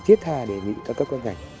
chết thà đề nghị các cơ quan gạch